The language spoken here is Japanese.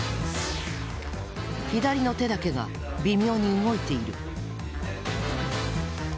左の手だけが微妙に動いている。